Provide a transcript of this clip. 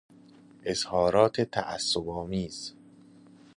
اظهارات تعصبآمیز